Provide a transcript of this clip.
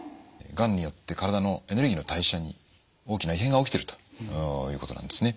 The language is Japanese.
がんによって体のエネルギーの代謝に大きな異変が起きてるということなんですね。